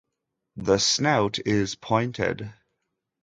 The snout is pointed.